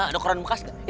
ada koran bekas gak